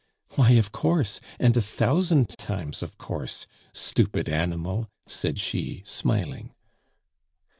"Why, of course, and a thousand times of course, stupid animal," said she, smiling.